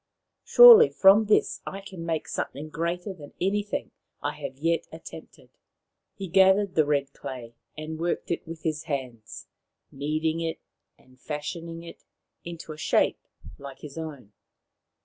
Surely from this I can make something greater than anything I have yet attempted.' ' He gathered the red clay and worked it with his hands, kneading it and fashioning it into a shape like his own.